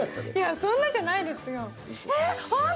そんなじゃないですよ。